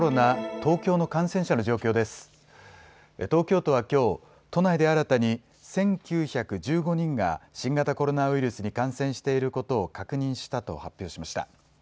東京都はきょう都内で新たに１９１５人が新型コロナウイルスに感染していることを確認したと発表しました。